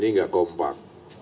tni tidak kompak